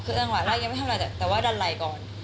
คือตั้งหลายแรกยังไม่ทำอะไรแต่ว่าดันไหล่ก่อน